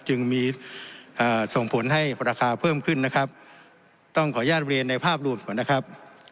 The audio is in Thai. จึงมีส่งผลให้ราคาเพิ่มขึ้นนะครับต้องขออนุญาตเรียนในภาพรวมก่อนนะครับ